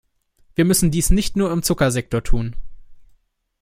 Wir müssen dies nicht nur im Zuckersektor tun.